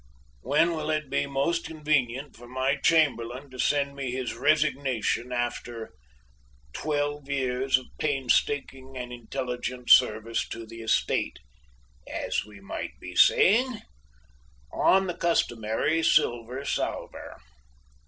When will it be most convenient for my Chamberlain to send me his resignation after 'twelve years of painstaking and intelligent service to the Estate,' as we might be saying, on the customary silver salver?"